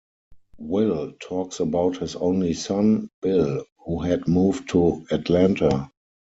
Will talks about his only son, Bill, who had moved to Atlanta.